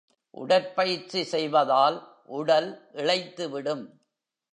உடற்பயிற்சி செய்வதால், உடல் இளைத்துவிடும்.